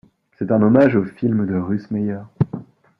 C'est un hommage aux films de Russ Meyer.